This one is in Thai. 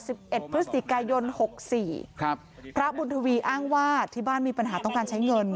สิบเอ็ดพฤศจิกายนหกสี่ครับพระบุญทวีอ้างว่าที่บ้านมีปัญหาต้องการใช้เงิน